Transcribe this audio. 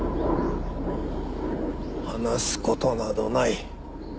話す事などない。